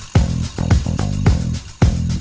ร้อนครับก่อน